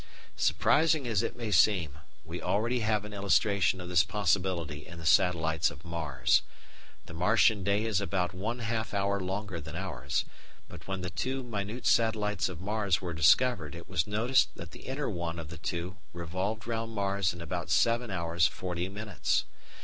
Surprising as it may seem, we already have an illustration of this possibility in the satellites of Mars. The Martian day is about one half hour longer than ours, but when the two minute satellites of Mars were discovered it was noticed that the inner one of the two revolved round Mars in about seven hours forty minutes.